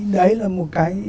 đấy là một cái